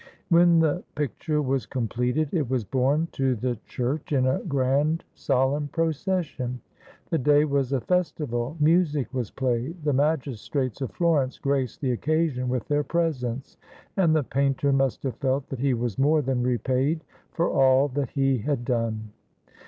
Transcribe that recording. When the picture was completed, it was borne to the church in a grand solemn procession. The day was a festival; music was played, the magistrates of Florence graced the occasion with their presence, and the painter must have felt that he was more than repaid for all that he had done.